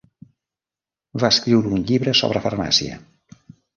Va escriure un llibre sobre farmàcia.